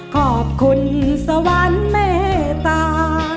ขอบคุณสวรรค์เมตตา